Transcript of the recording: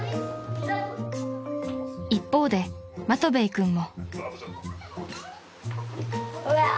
［一方でマトヴェイ君も］